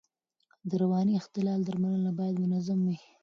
د رواني اختلال درملنه باید منظم وي.